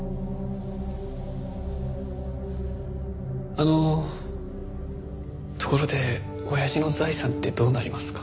あのところでおやじの財産ってどうなりますか？